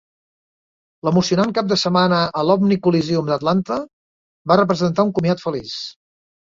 L'emocionant cap de setmana a l'Omni Coliseum d'Atlanta va representar un comiat feliç.